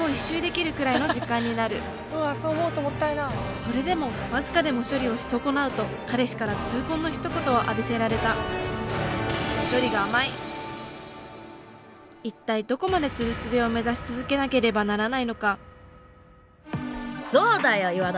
それでも僅かでも処理をし損なうと彼氏から痛恨のひと言を浴びせられた一体どこまでツルスベを目指し続けなければならないのかそうだよ岩垂。